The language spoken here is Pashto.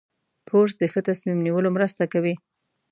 کورس د ښه تصمیم نیولو مرسته کوي.